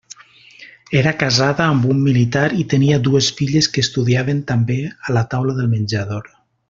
Era casada amb un militar i tenia dues filles que estudiaven també a la taula del menjador.